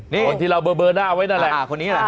คนที่เราเบอร์เบอร์หน้าไว้นั่นแหละ